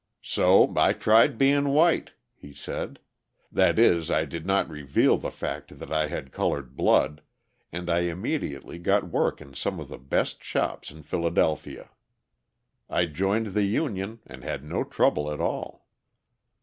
"So I tried being white," he said: "that is, I did not reveal the fact that I had coloured blood, and I immediately got work in some of the best shops in Philadelphia. I joined the union and had no trouble at all."